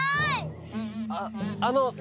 あっあの